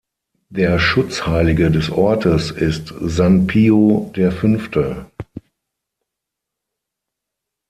Der Schutzheilige des Ortes ist "San Pio V".